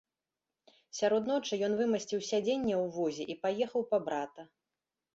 Сярод ночы ён вымасціў сядзенне ў возе і паехаў па брата.